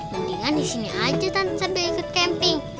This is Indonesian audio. mendingan disini aja tante sambil ikut camping